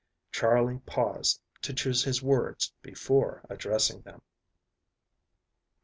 Charley paused to choose his words before addressing them.